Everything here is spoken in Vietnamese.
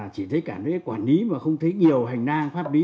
chỉ thấy cảm thấy quản lý mà không thấy nhiều hành năng pháp lý